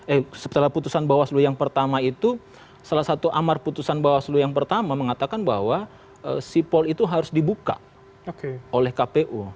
eh setelah putusan bawaslu yang pertama itu salah satu amar putusan bawaslu yang pertama mengatakan bahwa sipol itu harus dibuka oleh kpu